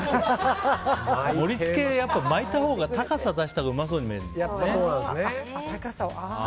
盛り付け、やっぱ巻いたほうが高さを出したほうがうまそうに見えるね。